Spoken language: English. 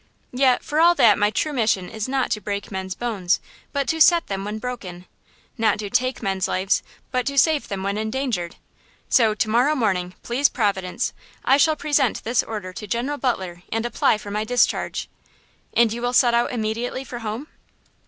"Yet for all that my true mission is not to break men's bones, but to set them when broken. Not to take men's lives, but to save them when endangered! So to morrow morning, please Providence, I shall present this order to General Butler and apply for my discharge." "And you will set out immediately for home?"